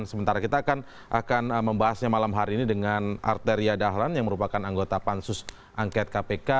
sementara kita akan membahasnya malam hari ini dengan arteria dahlan yang merupakan anggota pansus angket kpk